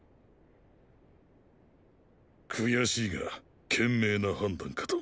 悔しいが賢明な判断かと。